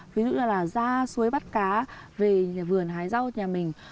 ví dụ là ra suối bắt cá về nhà vườn hái rau nhà mình